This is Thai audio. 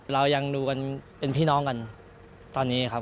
เรายังดูกันเป็นพี่น้องกันตอนนี้ครับ